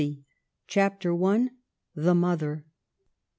CHAPTER I. THE MOTHER.